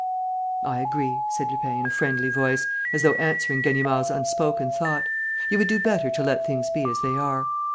"I agree," said Lupin, in a friendly voice, as though answering Ganimard's unspoken thought, "you would do better to let things be as they are.